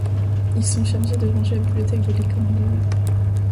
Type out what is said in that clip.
Ils sont chargés de ranger la bibliothèque de l'école en deux heures.